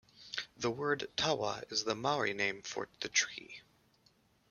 The word "tawa" is the Maori name for the tree.